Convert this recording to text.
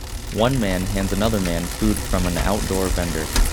One man hands another man food from an outdoor vendor